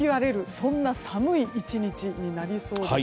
そんな寒い１日になりそうです。